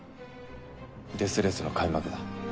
デス・レースの開幕だ。